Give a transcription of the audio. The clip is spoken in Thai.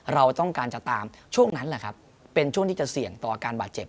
เราต้องการจะตามช่วงนั้นแหละครับเป็นช่วงที่จะเสี่ยงต่ออาการบาดเจ็บ